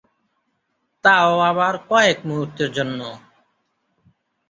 তা-ও আবার কয়েক মুহূর্তের জন্য।